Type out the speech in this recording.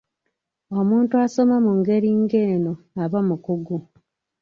Omuntu asoma mu ngeri ng'eno aba mukugu.